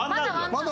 まだ。